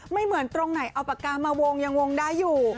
ไม่เหมือนตรงไหนเอาปากกามาวงยังวงได้อยู่